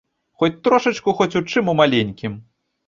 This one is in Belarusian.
Хоць трошачку, хоць у чым у маленькім.